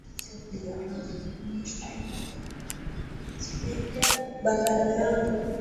Ingawa miili yao hukaribiana lakini huwa hawagusani